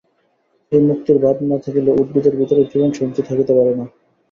এই মুক্তির ভাব না থাকিলে উদ্ভিদের ভিতরেও জীবনীশক্তি থাকিতে পারে না।